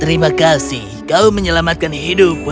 terima kasih kau menyelamatkan hidup putriku